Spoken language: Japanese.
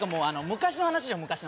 昔の話。